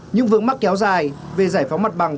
những vướng mắc kéo dài về giải phóng mặt bằng